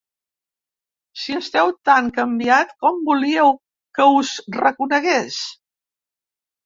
Si esteu tan canviat, com volíeu que us reconegués?